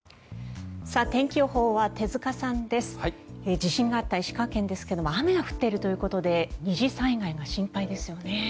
地震があった石川県ですけど雨が降っているということで二次災害が心配ですよね。